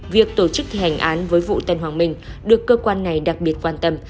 việc tổ chức thi hành án với vụ tân hoàng minh được cơ quan này đặc biệt quan tâm